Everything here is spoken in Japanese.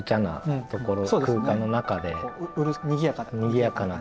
にぎやかな。